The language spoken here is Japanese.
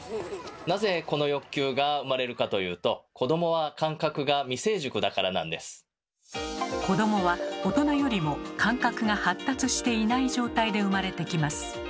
なぜこの欲求が生まれるかというと子どもは大人よりも感覚が発達していない状態で生まれてきます。